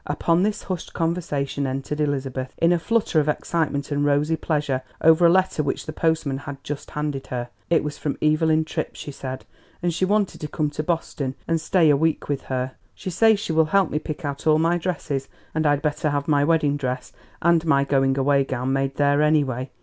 Upon this hushed conversation entered Elizabeth in a flutter of excitement and rosy pleasure over a letter which the postman had just handed her. "It is from Evelyn Tripp," she said, "and she wants me to come to Boston and stay a week with her; she says she will help me pick out all my dresses, and I'd better have my wedding dress and my going away gown made there, anyway.